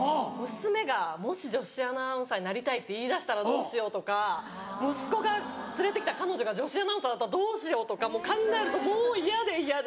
娘がもし女子アナウンサーになりたいって言い出したらどうしようとか息子が連れてきた彼女が女子アナウンサーだったらどうしようとか考えるともう嫌で嫌で。